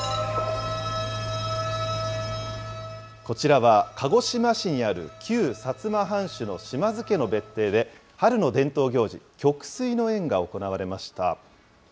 こちらは鹿児島市にある旧薩摩藩主の島津家の別邸で、春の伝統行事、曲水の宴が行われました。